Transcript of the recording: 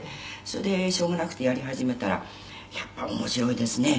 「それでしょうがなくてやり始めたらやっぱり面白いですね。